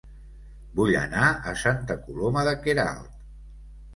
Vull anar a Santa Coloma de Queralt